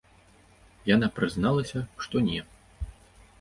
Яна прызналася, што не.